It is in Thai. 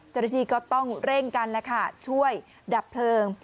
เจ้าหน้าที่ก็ต้องเร่งกันแล้วค่ะช่วยดับเพลิง